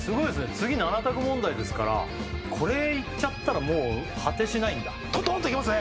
次７択問題ですからこれいっちゃったらもう果てしないんだトントーンといきますね